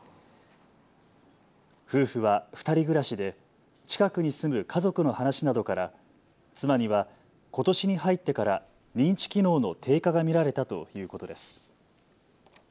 夫婦は２人暮らしで近くに住む家族の話などから妻にはことしに入ってから認知機能の低下が見られたということです。